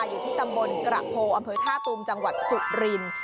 อยู่ที่ตำบลกระโพอำเภอท่าตุมจังหวัดสุรินทร์